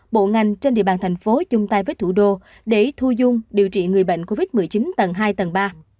bộ ngành trên địa bàn thành phố chung tay với thủ đô để thu dung điều trị người bệnh covid một mươi chín tầng hai tầng ba